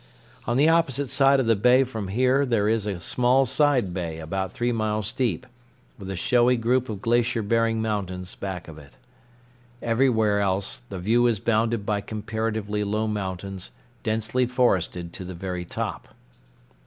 On the opposite side of the bay from here there is a small side bay about three miles deep, with a showy group of glacier bearing mountains back of it. Everywhere else the view is bounded by comparatively low mountains densely forested to the very top.